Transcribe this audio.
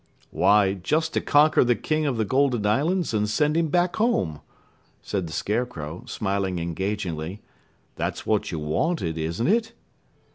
"Why, just to conquer the King of the Golden Islands and send him back home," said the Scarecrow, smiling engagingly. "That's what you wanted, isn't it?"